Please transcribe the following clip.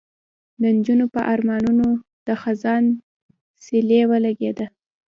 د نجونو په ارمانونو د خزان سیلۍ ولګېده